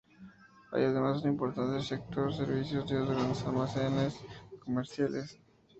Hay además un importante sector servicios y dos grandes almacenes comerciales.